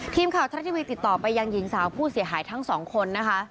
ทีมข่าวทรัฐทีวีติดต่อไปยังหญิงสาวผู้เสียหายทั้งสองคนนะคะ